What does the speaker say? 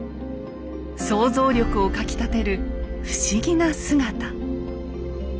想像力をかきたてる不思議な姿。